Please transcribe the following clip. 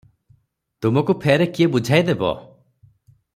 ତୁମକୁ ଫେର କିଏ ବୁଝାଇଦେବ?